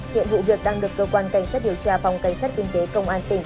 hiện vụ việc đang được cơ quan cảnh sát điều tra phòng cảnh sát kinh tế công an tỉnh